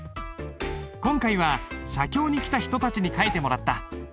今回は写経に来た人たちに書いてもらった。